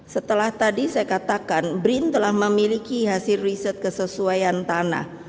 setelah tadi saya katakan brin telah memiliki hasil riset kesesuaian tanah